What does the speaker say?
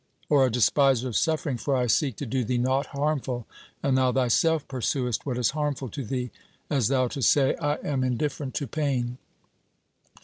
Or a despiser of suffering for I seek to do thee naught harmful, and thou thyself pursuest what is harmful to thee, as thou to say, 'I am indifferent to pain.'